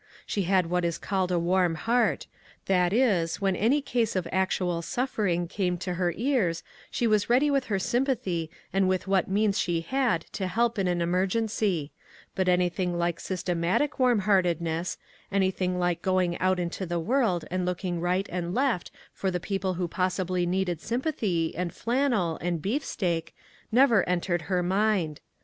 She had what is called a warm heart — that is, when any case of actual suffering came to her ears, she was ready with her sympathy and with what means she had to help in an emergency ; but anything like systematic warm heartedness, anything like going out into the world and looking right and left for the people who possibly needed sympa thy, and flannel, and beefsteak, never en tered her mind.